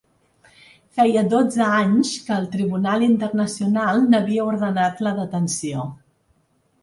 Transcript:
Feia dotze anys que el tribunal internacional n’havia ordenat la detenció.